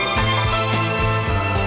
ngoài ra quốc cơ